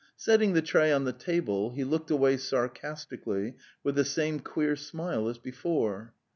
Setting the tray on the table, he looked away sarcastically with the same queer smile as before.